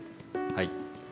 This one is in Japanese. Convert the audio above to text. はい。